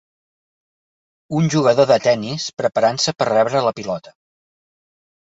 Un jugador de tenis preparant-se per rebre la pilota.